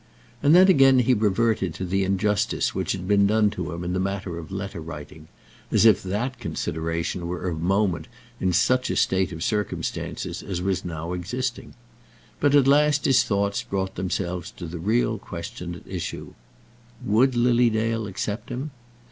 And then again he reverted to the injustice which had been done to him in the matter of letter writing as if that consideration were of moment in such a state of circumstances as was now existing. But at last his thoughts brought themselves to the real question at issue. Would Lily Dale accept him?